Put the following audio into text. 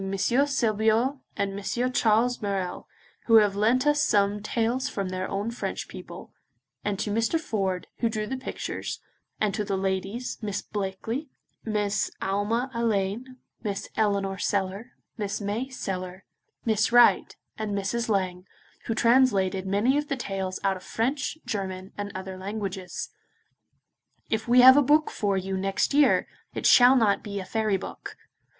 Sebillot and M. Charles Marelles, who have lent us some tales from their own French people, and to Mr. Ford, who drew the pictures, and to the ladies, Miss Blackley, Miss Alma Alleyne, Miss Eleanor Sellar, Miss May Sellar, Miss Wright, and Mrs. Lang, who translated many of the tales out of French, German, and other languages. If we have a book for you next year, it shall not be a fairy book.